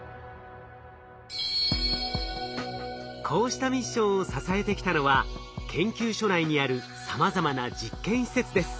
こうしたミッションを支えてきたのは研究所内にあるさまざまな実験施設です。